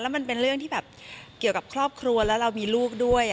มันเป็นเรื่องที่แบบเกี่ยวกับครอบครัวแล้วเรามีลูกด้วย